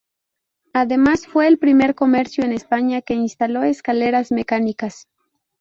Además, fue el primer comercio en España que instaló escaleras mecánicas.